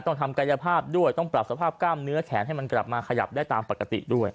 ต้องทำกายภาพด้วยต้องปรับสภาพกล้ามเนื้อแขนให้มันกลับมาขยับได้ตามปกติด้วย